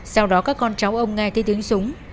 sau đó các con cháu ông nghe thấy tiếng súng